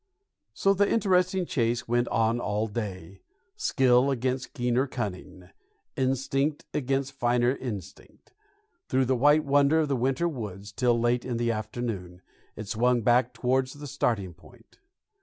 So the interesting chase went on all day, skill against keener cunning, instinct against finer instinct, through the white wonder of the winter woods, till, late in the afternoon, it swung back towards the starting point.